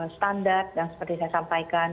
standar yang seperti saya sampaikan